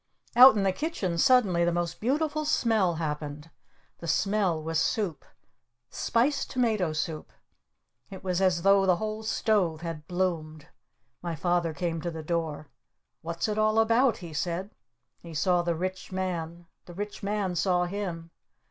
Out in the kitchen suddenly the most beautiful smell happened. The smell was soup! Spiced Tomato Soup! It was as though the whole stove had bloomed! My Father came to the door. "What's it all about?" he said. He saw the Rich Man. The Rich Man saw him.